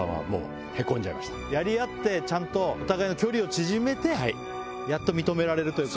やり合ってちゃんとお互いの距離を縮めてやっと認められるというか。